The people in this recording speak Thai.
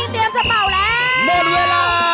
พี่ลิ้งเตรียมสะเปร่าแล้วเม็ดเวลา